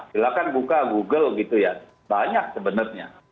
silahkan buka google gitu ya banyak sebenarnya